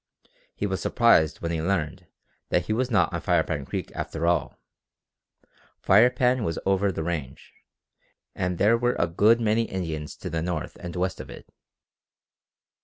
He was surprised when he learned that he was not on Firepan Creek after all. The Firepan was over the range, and there were a good many Indians to the north and west of it.